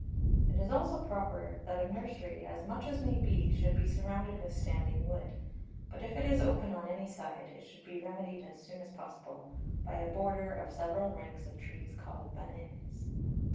It is also proper that a Nursery, as much as may be, should be surrounded with standing Wood; but if it is open on any side, it should be remedy'd as soon as possible, by a Border of several Ranks of Trees called Bananes.